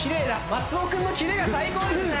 松尾君のキレが最高ですね